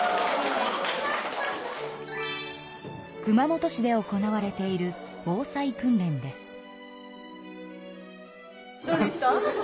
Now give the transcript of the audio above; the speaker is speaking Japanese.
熊本市で行われている防災訓練です。